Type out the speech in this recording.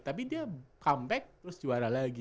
tapi dia comeback terus juara lagi